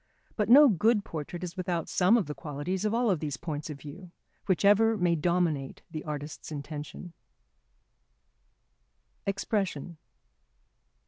But no good portrait is without some of the qualities of all these points of view, whichever may dominate the artist's intention. [Sidenote: Expression.